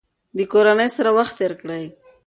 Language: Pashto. د کورنۍ سره وخت تیر کړئ.